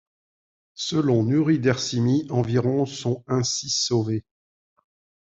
Selon Nuri Dersimi, environ sont ainsi sauvés.